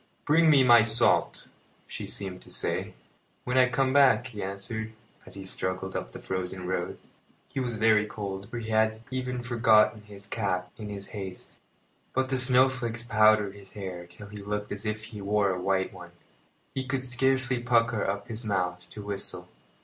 "Bring me my salt," she seemed to say. "When I come back," he answered, as he struggled up the frozen road. He was very cold, for he had even forgotten his cap in his haste; but the snowflakes powdered his hair till he looked as if he wore a white one. He could scarcely pucker up his mouth to whistle.